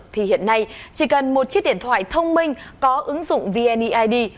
thì hiện nay chỉ cần một chiếc điện thoại thông minh có ứng dụng vneid